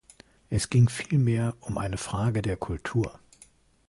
Es ging vielmehr um eine Frage der Kultur.